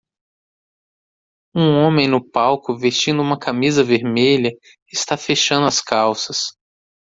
Um homem no palco vestindo uma camisa vermelha está fechando as calças.